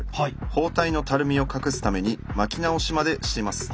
包帯のたるみを隠すために巻き直しまでしています。